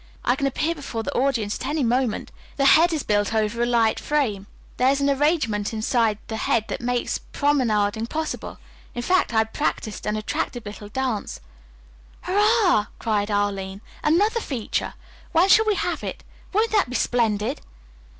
I can appear before the audience at any moment. The head is built over a light frame. There is an arrangement inside the head that makes promenading possible. In fact, I had practiced an attractive little dance " "Hurrah!" cried Arline. "Another feature. When shall we have it! Won't that be splendid?"